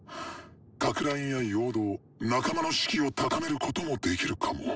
かく乱や陽動仲間の士気を高めることもできるかも。